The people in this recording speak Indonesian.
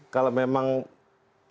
kalau memang salah satunya itu